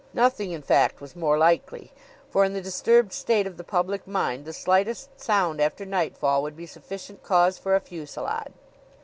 Nothing, in fact, was more likely; for in the disturbed state of the public mind the slightest sound after nightfall would be sufficient cause for a fusillade.